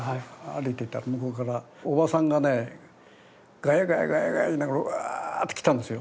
歩いてたら向こうからおばさんがねガヤガヤガヤガヤ言いながらワーッて来たんですよ。